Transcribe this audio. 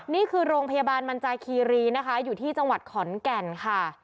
นี่คือโรงพยาบาลมันจาคีรีนะคะอยู่ที่จังหวัดขอนแก่นค่ะ